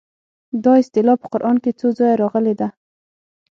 دا اصطلاح په قران کې څو ځایه راغلې ده.